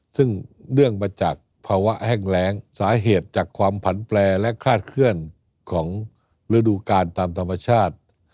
ซึ่งเนื่องมาจากภาวะแห้งแรงสาเหตุจากความผันแปลและคลาดเคลื่อนของฤดูการตามธรรมชาติ